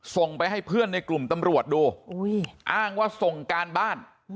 ส่งไปให้เพื่อนในกลุ่มตำรวจดูอ้างว่าส่งการบ้าน